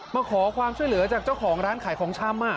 มาขอความช่วยเหลือจากเจ้าของร้านขายของชำ